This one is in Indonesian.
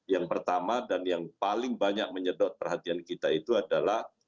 yang pertama dan yang paling banyak menyedot perhatian kita itu adalah